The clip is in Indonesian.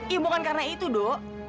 iya bukan karena itu do